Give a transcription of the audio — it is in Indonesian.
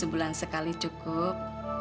dua bulan sekali cukup